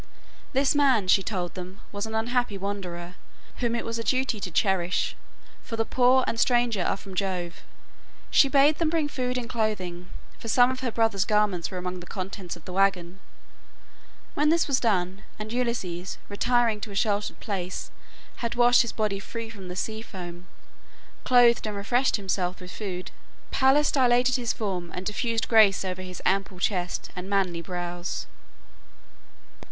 This man, she told them, was an unhappy wanderer, whom it was a duty to cherish, for the poor and stranger are from Jove. She bade them bring food and clothing, for some of her brother's garments were among the contents of the wagon. When this was done, and Ulysses, retiring to a sheltered place, had washed his body free from the sea foam, clothed and refreshed himself with food, Pallas dilated his form and diffused grace over his ample chest and manly brows.